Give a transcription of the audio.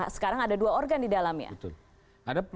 sekarang ada dua organ di dalamnya